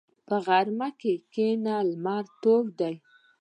په غرمه کښېنه، لمر تود دی.